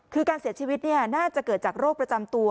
คือการเสียชีวิตน่าจะเกิดจากโรคประจำตัว